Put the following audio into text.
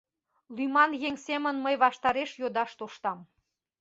Лӱман еҥ семын мый ваштареш йодаш тоштам.